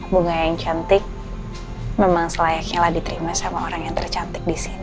bunga yang cantik memang selayaknya lah diterima sama orang yang tercantik di sini